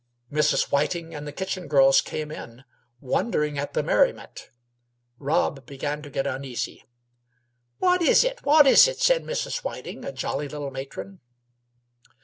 Mrs. Whiting and the kitchen girls came in, wondering at the merriment. Rob began to get uneasy. "What is it? What is it?" said Mrs. Whiting, a jolly little matron.